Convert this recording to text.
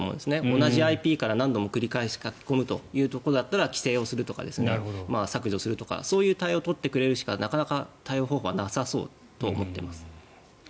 同じＩＰから何度も繰り返し書き込む場合は規制するとか削除するとかそういう対応を取ってくれるしかなかなか対応方法はなさそうと思っています。